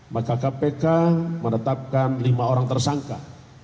maka kpk menetapkan lima orang tersangka